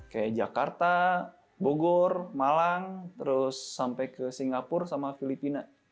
kayak jakarta bogor malang terus sampai ke singapura sama filipina